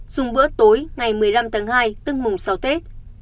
dùng bữa tối ngày một mươi năm tháng hai tức mùng sáu tết